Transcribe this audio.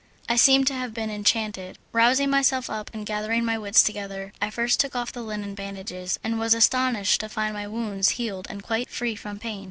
I seemed to have been enchanted. Rousing myself up and gathering my wits together, I first took off the linen bandages, and I was astonished to find my wounds healed and quite free from pain.